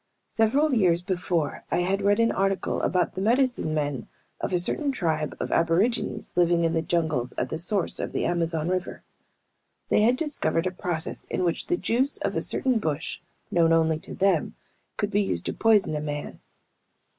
Several years before I had read an article about the medicine men of a certain tribe of aborigines living in the jungles at the source of the Amazon River. They had discovered a process in which the juice of a certain bush known only to them could be used to poison a man.